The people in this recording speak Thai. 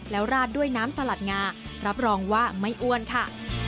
แล้วราดด้วยน้ำสลัดงารับรองว่าไม่อ้วนค่ะ